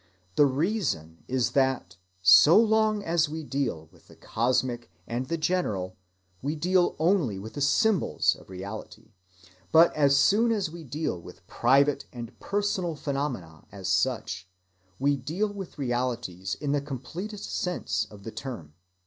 That reason is that, so long as we deal with the cosmic and the general, we deal only with the symbols of reality, but _as soon as we deal with private and personal phenomena as such, we deal with realities in the completest sense of the term_.